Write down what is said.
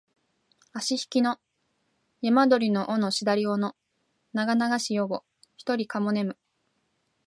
あしひきの山鳥の尾のしだり尾のながながし夜をひとりかも寝む